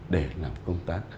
để làm công tác